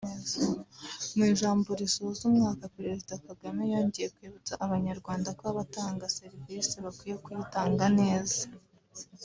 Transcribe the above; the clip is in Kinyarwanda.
Mu ijambo risoza umwaka Perezida Kagame yongeye kwibutsa abanyarwanda ko abatanga serivisi bakwiye kuyitanga neza